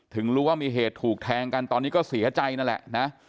ถึงรู้ว่ามีเหตุถูกแทงกันตอนนี้ก็เสียใจนั่นแหละนะ